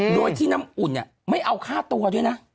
โดยที่น้ำอุ่นไม่เอาค่าตัวด้วยนะ